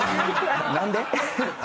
何で？